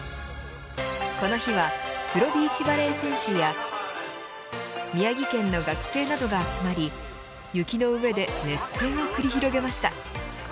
この日はプロビーチバレー選手や宮城県の学生などが集まり雪の上で熱戦を繰り広げました。